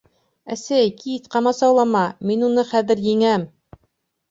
— Әсәй, кит ҡамасаулама, мин уны хәҙер еңәм!